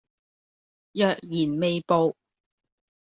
若然未報